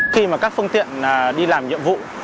khi mà các phương tiện đi làm nhiệm vụ